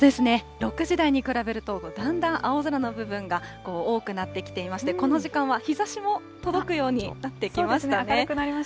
６時台に比べるとだんだん青空の部分が多くなってきていまして、この時間は日ざしも届くようになってきましたね。